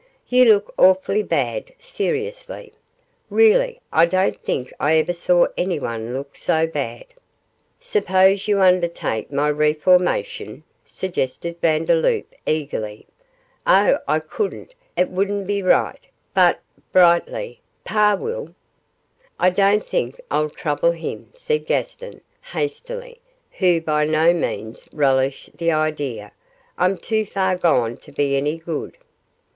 You look awfully bad,' seriously. 'Really, I don't think I ever saw anyone look so bad.' 'Suppose you undertake my reformation?' suggested Vandeloup, eagerly. 'Oh! I couldn't; it wouldn't be right; but,' brightly, 'pa will.' 'I don't think I'll trouble him,' said Gaston, hastily, who by no means relished the idea. 'I'm too far gone to be any good.